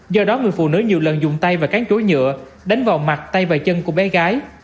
do đó người phụ nữ nhiều lần dùng tay và cánh chối nhựa đánh vào mặt tay và chân của bé gái